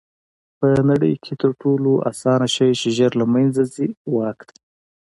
په نړۍ کښي تر ټولو آسانه شى چي ژر له منځه ځي؛ واک دئ.